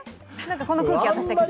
この空気、私だけみたい。